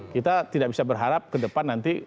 kita tidak bisa berharap ke depan nanti